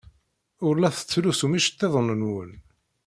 Ur la tettlusum iceḍḍiḍen-nwen.